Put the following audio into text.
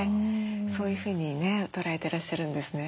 そういうふうにね捉えてらっしゃるんですね。